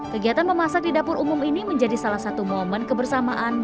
kegiatan memasak di dapur umum ini menjadi salah satu momen kebersamaan